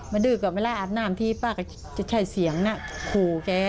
มาดื้อก่อนเมื่ออาบน้ำที่ป้าก็ใช้เสียงน่ะขู่แก